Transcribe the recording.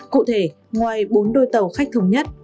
cụ thể ngoài bốn đôi tàu khách thống nhất